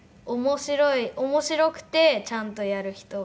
面白くてちゃんとやる人がいい。